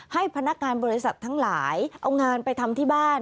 ให้พนักงานบริษัททั้งหลายเอางานไปทำที่บ้าน